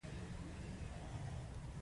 هو ښامار یوازینی تی لرونکی دی چې الوتلی شي